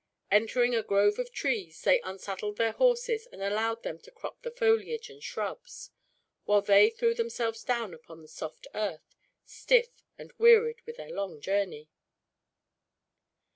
Entering a grove of trees, they unsaddled their horses and allowed them to crop the foliage and shrubs; while they threw themselves down upon the soft earth, stiff and wearied with their long journey.